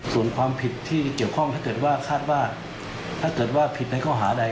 ส่วนความผิดที่เกี่ยวข้องหากคาดว่าว่าถ้าผิดในข้อหาใด